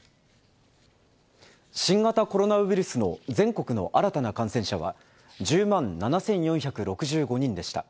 新型コロナウイルスの全国の新たな感染者は、１０万７４６５人でした。